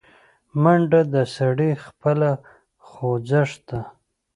منډه د سړي خپله خوځښت ده